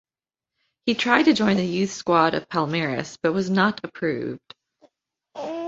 He tried to join the youth squad of Palmeiras, but was not approved.